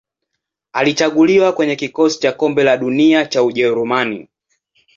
Alichaguliwa kwenye kikosi cha Kombe la Dunia cha Ujerumani.